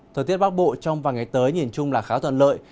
thời tiết bắc bộ trong vàng ngày tới nhìn chung là khá toàn lợi